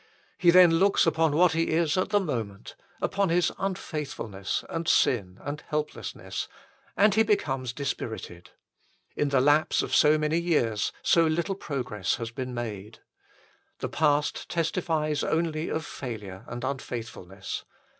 He then looks upon what he is at the moment, upon his unfaithfulness and sin and helplessness, 148 THE FULL BLESSING OF PENTECOST and he becomes dispirited. In the lapse of so many years so little progress has been made. The past testifies only of failure and unfaithful ness.